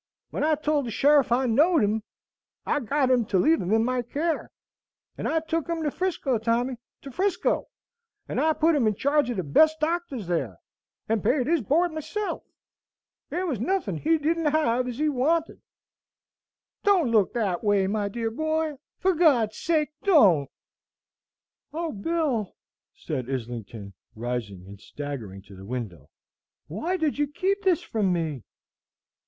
When I told the sheriff I knowed 'im, I got him to leave him in my care; and I took him to 'Frisco, Tommy, to 'Frisco, and I put him in charge o' the best doctors there, and paid his board myself. There was nothin' he didn't have ez he wanted. Don't look that way, my dear boy, for God's sake, don't!" "O Bill," said Islington, rising and staggering to the window, "why did you keep this from me?"